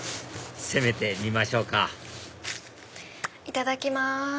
攻めてみましょうかいただきます。